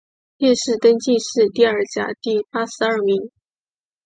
殿试登进士第二甲第八十二名。